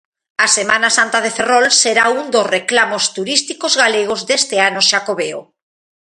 A Semana Santa de Ferrol será un dos reclamos turísticos galegos deste ano Xacobeo.